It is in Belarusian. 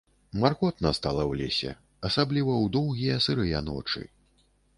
Маркотна стала ў лесе, асабліва ў доўгія сырыя ночы.